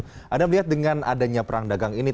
anda melihat dengan adanya perang dagang ini